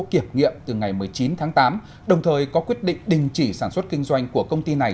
kiểm nghiệm từ ngày một mươi chín tháng tám đồng thời có quyết định đình chỉ sản xuất kinh doanh của công ty này